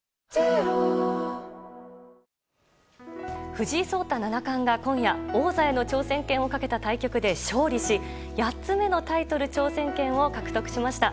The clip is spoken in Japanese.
藤井聡太七冠が今夜王座への挑戦権をかけた対局で勝利し８つ目のタイトル挑戦権を獲得しました。